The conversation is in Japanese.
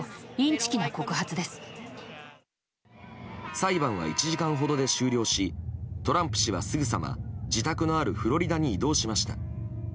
裁判は１時間ほどで終了しトランプ氏は、すぐさま自宅のあるフロリダに移動しました。